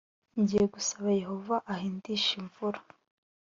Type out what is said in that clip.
ngiye gusaba yehova ahindishe imvura